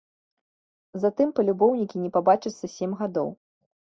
Затым палюбоўнікі не пабачацца сем гадоў.